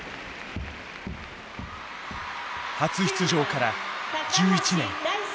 初出場から１１年。